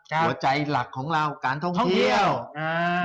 หัวใจหลักของเราการท่องเที่ยวอ่า